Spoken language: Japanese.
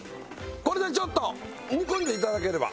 これでちょっと煮込んで頂ければ。